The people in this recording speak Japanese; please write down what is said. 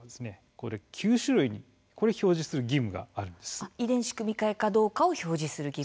この９種類に表示する義務があります。